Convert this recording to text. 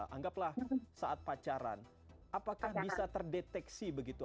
anggaplah saat pacaran apakah bisa terdeteksi begitu